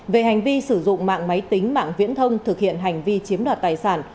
về hành vi sử dụng mạng máy tính mạng viễn thông thực hiện hành vi chiếm đoạt tài sản